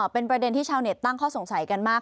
เป็นประเด็นที่ชาวเน็ตตั้งข้อสงสัยกันมาก